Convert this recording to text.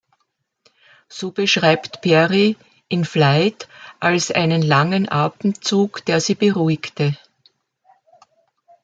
So beschreibt Perry "In Flight" als einen langen Atemzug, der sie beruhigte.